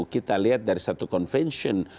kita lihat dari satu convention